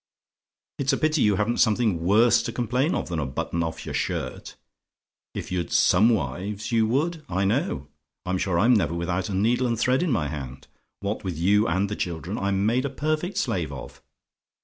"It's a pity you haven't something worse to complain of than a button off your shirt. If you'd SOME wives, you would, I know. I'm sure I'm never without a needle and thread in my hand. What with you and the children, I'm made a perfect slave of.